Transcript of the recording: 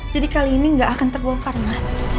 jadi kali ini nggak akan terbongkar ma